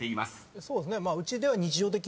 そうですね。